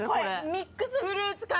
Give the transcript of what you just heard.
ミックスフルーツ缶。